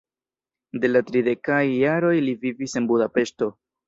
De la tridekaj jaroj li vivis en Budapeŝto.